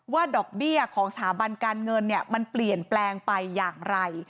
ดอกเบี้ยของสถาบันการเงินมันเปลี่ยนแปลงไปอย่างไร